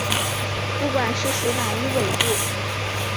不管是属哪一纬度。